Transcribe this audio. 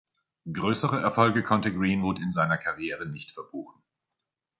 Größere Erfolge konnte Greenwood in seiner Karriere nicht verbuchen.